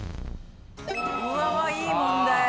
うわぁいい問題。